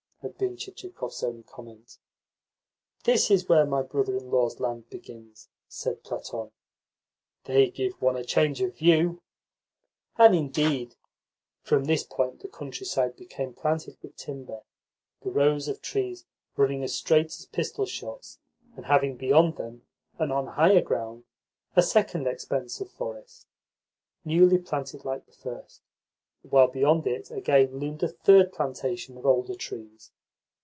had been Chichikov's only comment. "This is where my brother in law's land begins," said Platon. "They give one a change of view." And, indeed, from this point the countryside became planted with timber; the rows of trees running as straight as pistol shots, and having beyond them, and on higher ground, a second expanse of forest, newly planted like the first; while beyond it, again, loomed a third plantation of older trees.